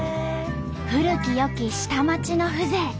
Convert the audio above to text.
古き良き下町の風情。